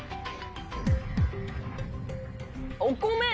お米